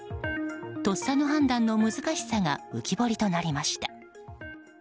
とっさの判断の難しさが浮き彫りとなりました。